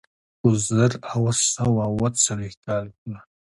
په زر اووه سوه اوه څلوېښت کال کې.